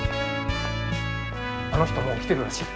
あの人もう来てるらしい。